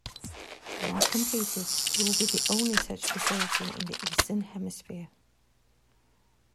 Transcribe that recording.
Once completed it will be the only such facility in the eastern hemisphere.